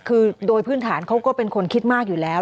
คือโดยพื้นฐานเขาก็เป็นคนคิดมากอยู่แล้ว